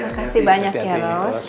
makasih banyak ya ros